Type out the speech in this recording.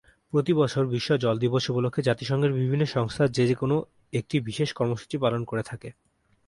প্রতি বছর বিশ্ব জল দিবস উপলক্ষে জাতিসংঘের বিভিন্ন সংস্থার যে কোনো একটি বিশেষ কর্মসূচি পালন করে থাকে।